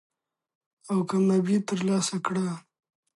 او کاميابي تر لاسه کړې ده.